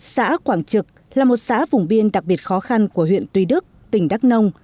xã quảng trực là một xã vùng biên đặc biệt khó khăn của huyện tuy đức tỉnh đắk nông